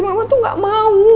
mama tuh gak mau